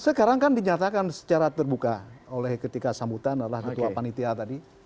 sekarang kan dinyatakan secara terbuka oleh ketika sambutan adalah ketua panitia tadi